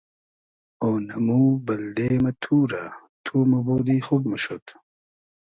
اۉنئمو بئلدې مۂ تورۂ تو موبودی خوب موشود